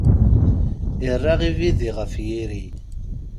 Irra ibidi ɣef yiri.